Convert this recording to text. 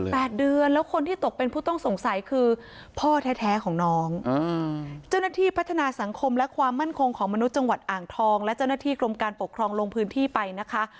แปดเดือนแล้วคนที่ตกเป็นผู้ต้องสงสัยคือพ่อแท้แท้ของน้องอืมเจ้าหน้าที่พัฒนาสังคมและความมั่นคงของมนุษย์จังหวัดอ่างทองและเจ้าหน้าที่กรมการปกครองลงพื้นที่ไปนะคะ